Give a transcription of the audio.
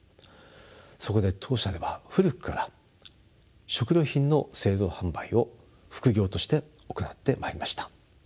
そこで当社では古くから食料品の製造販売を副業として行ってまいりました。